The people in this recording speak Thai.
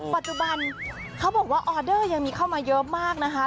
ปัจจุบันเขาบอกว่าออเดอร์ยังมีเข้ามาเยอะมากนะคะ